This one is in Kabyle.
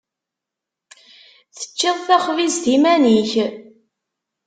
Teččiḍ taxbizt iman-ik.